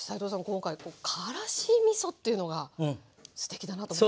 今回からしみそっていうのがすてきだなと思った。